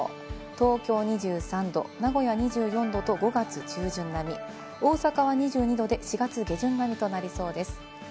東京２３度、名古屋２４度と５月中旬並み、大阪は２２度で４月下旬並みとなりそうです。